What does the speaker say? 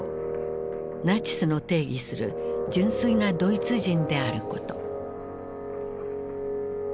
ナチスの定義する純粋なドイツ人であること。